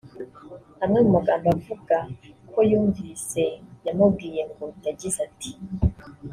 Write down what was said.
Amwe mu magambo avuga ko yumvise yamubwiye ngo yagize ati